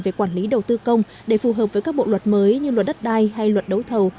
về quản lý đầu tư công để phù hợp với các bộ luật mới như luật đất đai hay luật đấu thầu